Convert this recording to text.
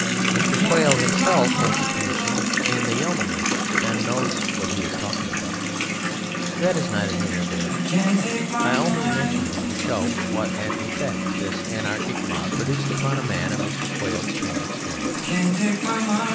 Mr. Quail himself holds a commission in the Yeomanry, and knows what he is talking about. But that is neither here nor there. I only mention it to show what an effect this anarchic mob produced upon a man of Mr. Quail's trained experience.